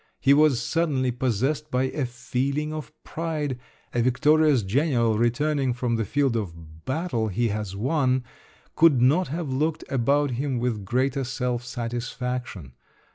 He was suddenly possessed by a feeling of pride. A victorious general, returning from the field of battle he has won, could not have looked about him with greater self satisfaction.